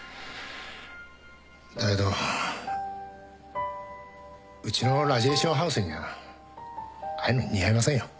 だけどうちのラジエーションハウスにはああいうの似合いませんよ。